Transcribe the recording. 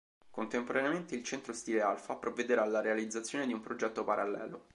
Contemporaneamente, il centro stile Alfa provvederà alla realizzazione di un progetto parallelo.